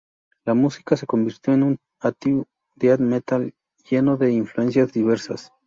La música se convirtió en un atípico Death Metal lleno de influencias diversas.